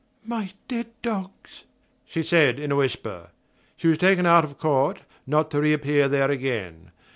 "My dead dogs," she said in a whisper... She was taken out of court, not to reappear there again.